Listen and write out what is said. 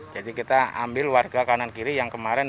jadi kita ambil warga kanan kiri yang kemarin